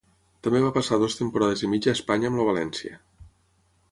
També va passar dos temporades i mitja a Espanya amb el València.